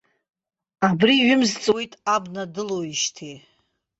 Абри, ҩымз ҵуеит абна дылоуижьтеи.